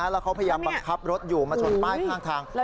พยายามบังคับรถอยู่มาชนป้ายข้างทาง